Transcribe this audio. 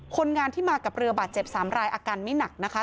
คนงานที่มากับเรือบาดเจ็บ๓รายอาการไม่หนักนะคะ